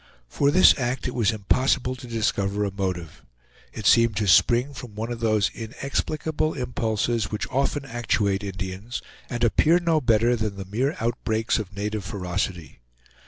For this act it was impossible to discover a motive. It seemed to spring from one of those inexplicable impulses which often actuate Indians and appear no better than the mere outbreaks of native ferocity.